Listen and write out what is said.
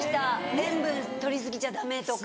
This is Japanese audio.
塩分取り過ぎちゃダメとか。